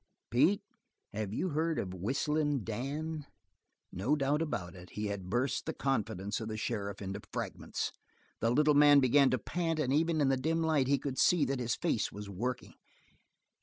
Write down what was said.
"Pete, have you heard of Whistlin' Dan?" No doubt about it, he had burst the confidence of the sheriff into fragments. The little man began to pant and even in the dim light Vic could see that his face was working.